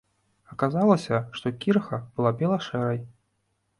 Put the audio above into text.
Аказалася, што кірха была бела-шэрай.